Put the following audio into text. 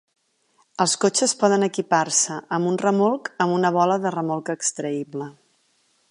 Els cotxes poden equipar-se amb un remolc amb una bola de remolc extraïble.